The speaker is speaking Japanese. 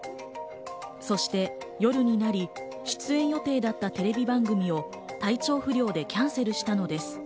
そして夜になり、出演予定だったテレビ番組を体調不良でキャンセルしたのです。